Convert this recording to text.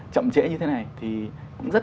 chậm chẽ như thế này thì cũng rất